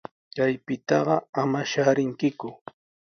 Kaypitaqa ama shaarinkiku.